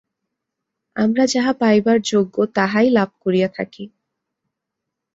আমরা যাহা পাইবার যোগ্য, তাহাই লাভ করিয়া থাকি।